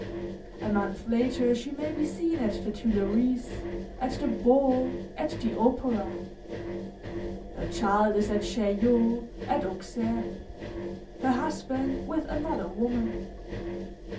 A month later she may be seen at the Tuileries, at the ball, at the opera: her child is at Chaillot, at Auxerre; her husband with another woman.